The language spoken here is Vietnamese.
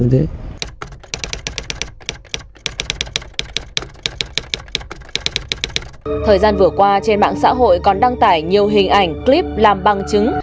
thời gian vừa qua trên mạng xã hội còn đăng tải nhiều hình ảnh clip làm bằng chứng